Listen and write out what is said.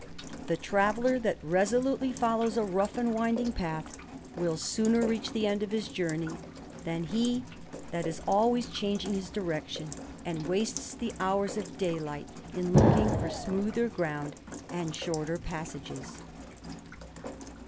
The traveller that resolutely follows a rough ^<i winding path, will sooner reach the end of his journey, ^n he that is always changing his direction, and wastes the ^ours of day light in looking for smoother groimd, and shorter passages.